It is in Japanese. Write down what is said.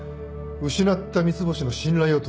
失った三ツ星の信頼を取り戻す。